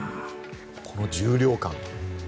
この重量感。